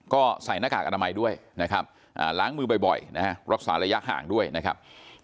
ก็ใส่หน้ากากอนามัยด้วยนะครับล้างมือบ่อยนะฮะรักษาระยะห่างด้วยนะครับ